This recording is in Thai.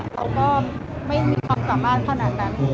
เราก็ไม่มีความสามารถขนาดนั้น